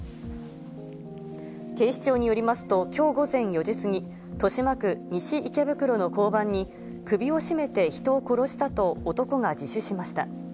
警視庁によりますと、きょう午前４時過ぎ、豊島区西池袋の交番に、首を絞めて人を殺したと男が自首しました。